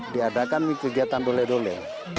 diadakan kegiatan dole dole